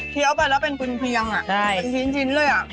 เคี้ยวไปแล้วเป็นกุญเทียงอ่ะเป็นชิ้นเลยอ่ะ